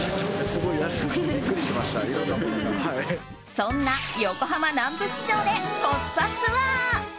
そんな横浜南部市場でコスパツアー！